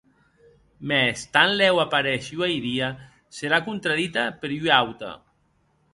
Mès tanlèu apareish ua idia, serà contradita per ua auta.